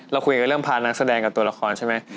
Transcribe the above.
เราคุยกันเรื่องพานักแสดงกับตัวละครใช่ไหม